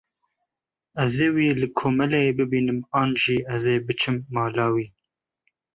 Ez ê wî li komeleyê bibînim an jî ez ê biçim mala wî.